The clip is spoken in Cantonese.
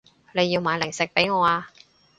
你要買零食畀我啊